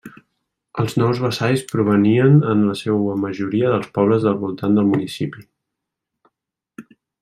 Els nous vassalls provenien en la seua majoria dels pobles del voltant del municipi.